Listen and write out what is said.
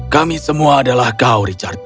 kami semua adalah kau richard